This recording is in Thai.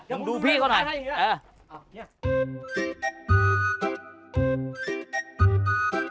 จะลงดูป้าเถ้าหน่อยขอดูนะได้